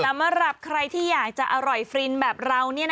สำหรับใครที่อยากจะอร่อยฟินแบบเรา